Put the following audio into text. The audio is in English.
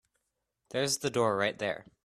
There's the door right there.